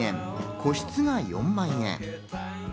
個室が４万円。